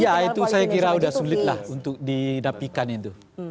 ya itu saya kira sudah sulit lah untuk didapikan itu